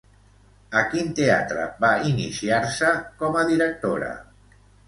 A quin teatre va iniciar-se com a directora?